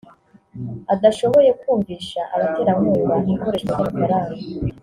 adashoboye kumvisha abaterankunga ikoreshwa ry’amafaranga